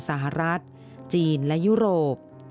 สหรัฐจีนและยุโรป